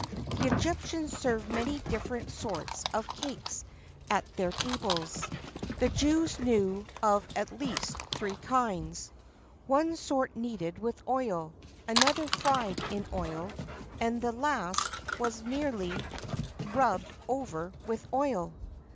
The Egyptians served many different sorts of cakes at their tables;[XXIV 2] the Jews knew of at least three kinds one sort kneaded with oil, another fried in oil, and the last was merely rubbed over with oil.